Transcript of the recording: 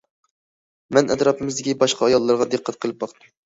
مەن ئەتراپىمىزدىكى باشقا ئاياللارغا دىققەت قىلىپ باقتىم.